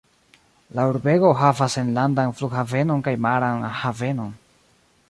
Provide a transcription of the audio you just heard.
La urbego havas enlandan flughavenon kaj maran havenon.